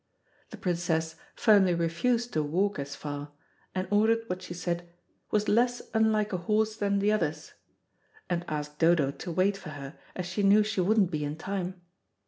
The Princess firmly refused to walk as far, and ordered what she said "was less unlike a horse than the others"; and asked Dodo to wait for her, as she knew she wouldn't be in time.